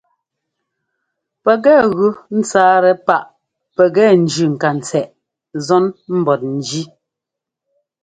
Pɛkɛ gʉ ńtsáatɛ páꞌ pɛkɛ ńjʉ́ ŋkatsɛꞌ zɔ́n mbɔtnjí.